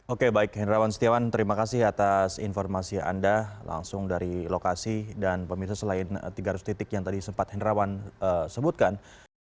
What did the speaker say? oke baik hendrawan setiawan terima kasih atas informasi anda langsung dari lokasi dan pemirsa selain tiga ratus titik yang tadi sempat hendrawan sebutkan